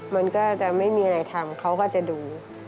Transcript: มันก็จะไม่มีอะไรทำเขาก็จะดู